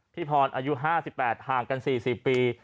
พี่พรอายุ๕๘ห่างกัน๔๐ปี